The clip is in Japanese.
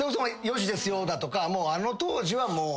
『４時ですよだ』とかあの当時はもう。